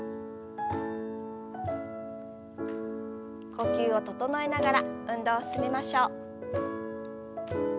呼吸を整えながら運動を進めましょう。